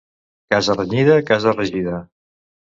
Casa renyida, casa regida.